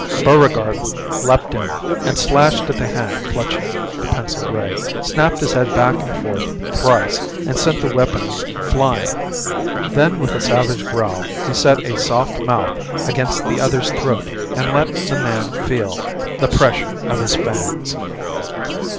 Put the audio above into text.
Buregarde leaped in and slashed at the hand clutching the pencil ray, snapped his head back and forth thrice and sent the weapon flying. Then with a savage growl he set a soft mouth against the other's throat and let the man feel the pressure of his fangs.